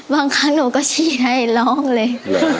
ครั้งหนูก็ชี้ให้ร้องเลย